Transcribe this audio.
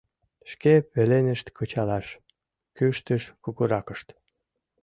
— Шке пеленышт кычалаш! — кӱштыш кугуракышт.